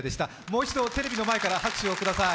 もう一度、テレビの前から拍手をください。